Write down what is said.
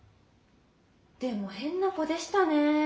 でも変な子でしたねェ。